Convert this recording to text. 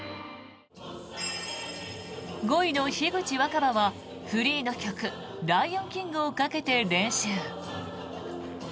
５位の樋口新葉はフリーの曲「ライオンキング」をかけて練習。